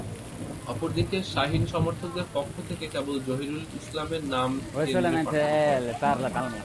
অপরদিকে শাহীন সমর্থকদের পক্ষ থেকে কেবল জহিরুল ইসলামের নাম কেন্দ্রে পাঠানো হয়।